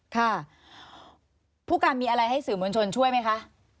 ค่ะผู้การมีอะไรให้สื่อมวลชนช่วยไหมคะ